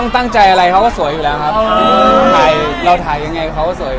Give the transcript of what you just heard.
ไม่ตั้งใจอะไรเขาว่าสวยด้วยแล้วทายยังไงก็สวยด้วย